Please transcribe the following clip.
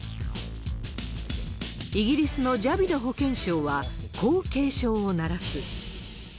イギリスのジャビド保健相はこう警鐘を鳴らす。